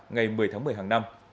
ngày một mươi tháng một mươi hàng năm